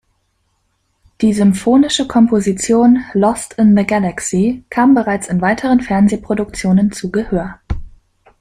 Die symphonische Komposition "Lost in the Galaxy" kam bereits in weiteren Fernsehproduktionen zu Gehör.